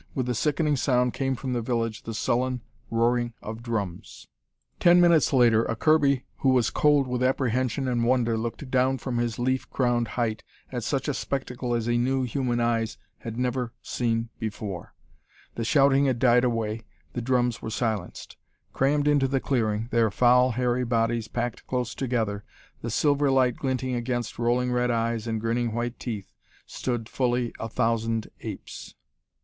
With the sickening sound came from the village the sullen roaring of drums. Ten minutes later, a Kirby who was cold with apprehension and wonder looked down from his leaf crowned height at such a spectacle as he knew human eyes had never before seen. The shouting had died away, the drums were silenced. Crammed into the clearing, their foul, hairy bodies packed close together, the silver light glinting against rolling red eyes and grinning white teeth, stood fully a thousand apes!